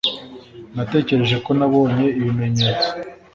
natekereje ko nabonye ibimenyetso -